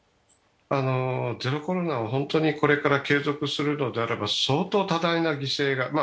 ゼロコロナを本当にこれから継続するのであれば、相当、多大な犠牲が。